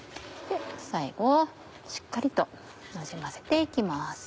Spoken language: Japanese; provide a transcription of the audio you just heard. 最後しっかりとなじませて行きます。